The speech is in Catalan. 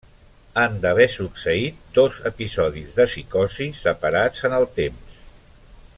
Han d'haver succeït dos episodis de psicosi separats en el temps.